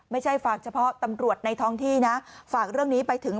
ไม่ใช่ฝากเฉพาะตำรวจในท้องที่นะฝากเรื่องนี้ไปถึง